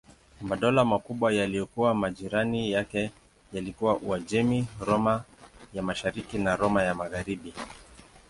Madola makubwa yaliyokuwa majirani yake yalikuwa Uajemi, Roma ya Mashariki na Roma ya Magharibi.